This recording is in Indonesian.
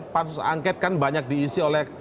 pansus angket kan banyak diisi oleh